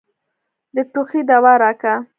د ټوخي دوا راکه.